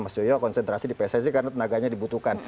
mas joyo konsentrasi di pssi karena tenaganya dibutuhkan